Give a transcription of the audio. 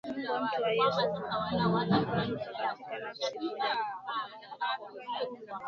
Umungu na utu wa Yesu vimeunganika katika nafsi moja visichanganyikane